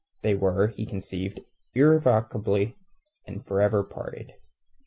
They were, he conceived, irrevocably and for ever parted.